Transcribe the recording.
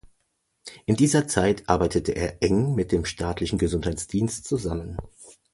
In dieser Zeit arbeitete er eng mit dem staatlichen Gesundheitsdienst zusammen.